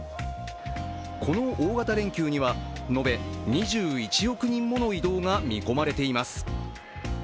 この大型連休には延べ２１億人もの移動が見込まれています。